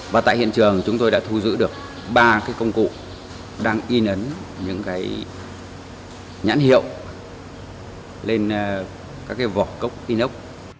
và tại hiện trường chúng tôi đã thu giữ được ba công cụ đang in ấn những nhãn hiệu lên các vỏ cốc in ốc